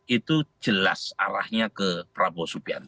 itu jelas arahnya ke prabowo subianto